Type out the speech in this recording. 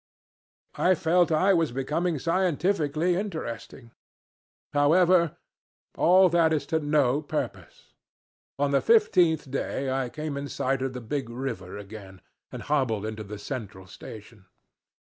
I felt I was becoming scientifically interesting. However, all that is to no purpose. On the fifteenth day I came in sight of the big river again, and hobbled into the Central Station.